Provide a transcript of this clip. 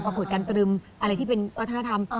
ปรากฏการตรึมอะไรที่เป็นวัฒนธรรม